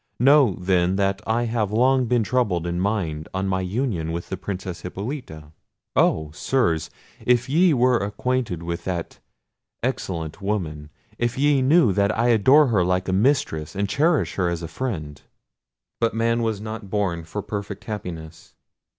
Know, then, that I have long been troubled in mind on my union with the Princess Hippolita. Oh! Sirs, if ye were acquainted with that excellent woman! if ye knew that I adore her like a mistress, and cherish her as a friend—but man was not born for perfect happiness!